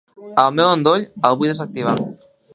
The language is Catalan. El meu endoll, el vull desactivar.